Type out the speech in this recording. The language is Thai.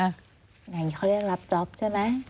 อย่างนี้เขาเรียกรับจ๊อปใช่ไหม